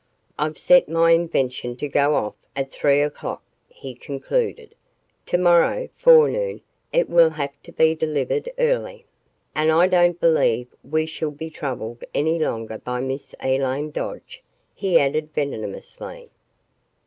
"I've set my invention to go off at three o'clock," he concluded. "Tomorrow forenoon, it will have to be delivered early and I don't believe we shall be troubled any longer by Miss Elaine Dodge," he added venomously.